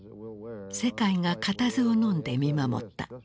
世界が固唾をのんで見守った。